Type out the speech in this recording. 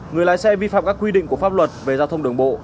người lái xe vi phạm các quy định của pháp luật về giao thông đường bộ